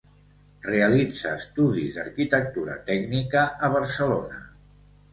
Realitza estudis d'arquitectura tècnica a Barcelona.